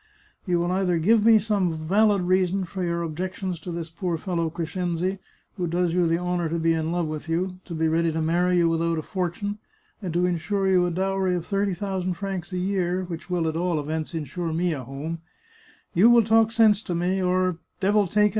You will either give me some valid rea son for your objections to this poor fellow Crescenzi, who does you the honour to be in love with you, to be ready to marry you without a fortune, and to insure you a dowry of thirty thousand francs a year, which will, at all events, insure me a home — you will talk sense to me, or — devil take it!